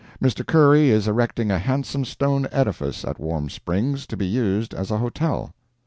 Mr. Curry is erecting a handsome stone edifice at the Warm Springs, to be used as a hotel.